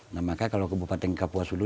nah maka kalau kebupaten kapuasulu